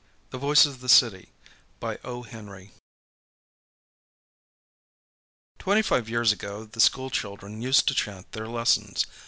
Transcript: THE MEMENTO I THE VOICE OF THE CITY Twenty five years ago the school children used to chant their lessons.